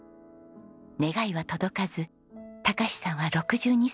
願いは届かず孝さんは６２歳で他界。